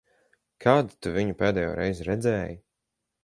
Kad tu viņu pēdējoreiz redzēji?